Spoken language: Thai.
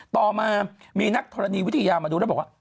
ต่อมามีนักธรณีวิทยามาดูแล้วบอกว่า